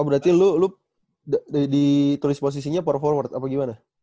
oh berarti lu ditulis posisinya power forward apa gimana